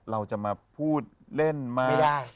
เราจะมาพูดเล่นมา